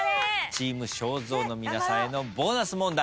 チーム正蔵の皆さんへのボーナス問題